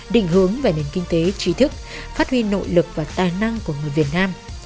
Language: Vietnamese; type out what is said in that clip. định hướng về nền kinh tế trí thức phát huy nội lực và tài năng của người việt nam